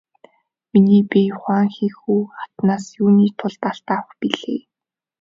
Миний бие Хуванхэхү хатнаас юуны тулд алт авах билээ?